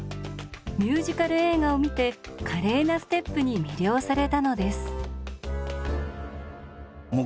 ミュージカル映画を見て華麗なステップに魅了されたのです。